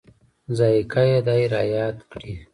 ذایقه یې دای رایاد کړي.